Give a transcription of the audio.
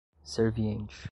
serviente